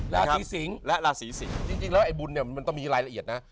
ราศีสิงศ์และราศีสิงจริงแล้วไอบุญเนี่ยมันต้องมีรายละเอียดนะ